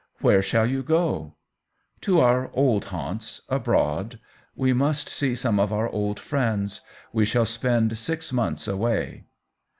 " Where shall you go ?"" To our old haunts — abroad. We must see some of our old friends. We shall spend six months away."